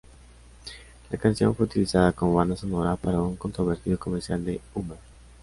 La canción fue utilizada como banda sonora para un controvertido comercial de Hummer.